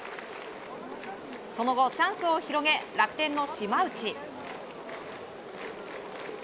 その後、チャンスを広げ楽天の島内。